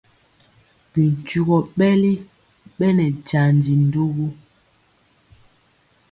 Bi ntugɔ ɓɛli ɓɛ nɛ jandi ndugu.